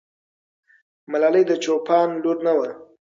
ملالۍ د چوپان لور نه وه.